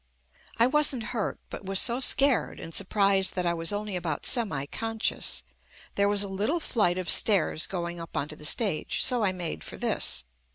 I wasn't hurt, but was so scared and surprised f that I was only about semi conscious. There was a little flight of stairs going up onto the stage, so I made for this.